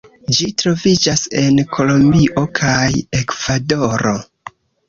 Ĝi troviĝas en Kolombio kaj Ekvadoro.